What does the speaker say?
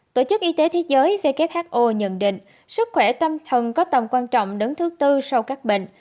tổ chức y tế thế giới who nhận định sức khỏe tâm thần có tầm quan trọng đứng thứ tư sau các bệnh